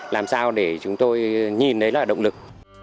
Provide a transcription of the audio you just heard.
làm sao để chúng tôi nhìn thấy là động lực